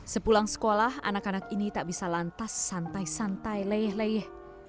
sepulang sekolah anak anak ini tak bisa lantas santai santai leh leyeh